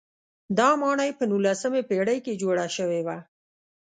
دا ماڼۍ په نولسمې پېړۍ کې جوړه شوې وه.